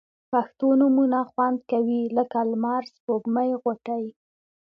پښتو نومونه خوند کوي لکه لمر، سپوږمۍ، غوټۍ